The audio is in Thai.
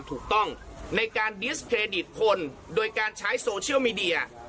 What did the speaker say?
ถูกต้องในการดิสเครดิตคนโดยการใช้โซเชียลมีเดีย